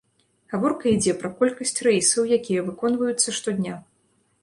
Гаворка ідзе пра колькасць рэйсаў, якія выконваюцца штодня.